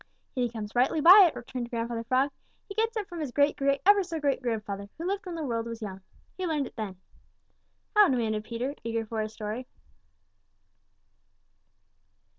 "He comes rightly by it," returned Grandfather Frog. "He gets it from his great great ever so great grandfather, who lived when the world was young. He learned it then." "How?" demanded Peter, eager for a story.